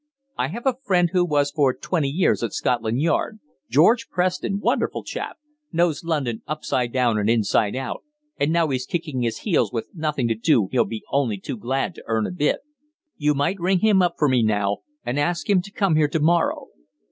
I have a friend who was for twenty years at Scotland Yard George Preston, wonderful chap, knows London upside down and inside out, and now he's kicking his heels with nothing to do he'll be only too glad to earn a bit. You might ring him up for me now, and ask him to come here to morrow."